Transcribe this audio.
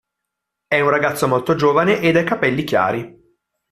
È un ragazzo molto giovane e dai capelli chiari.